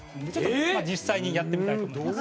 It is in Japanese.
実際にやってみたいと思います。